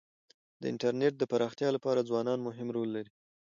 د انټرنيټ د پراختیا لپاره ځوانان مهم رول لري.